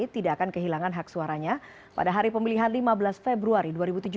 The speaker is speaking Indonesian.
tidak akan kehilangan hak suaranya pada hari pemilihan lima belas februari dua ribu tujuh belas